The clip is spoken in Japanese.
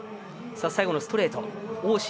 最後のストレートに王晨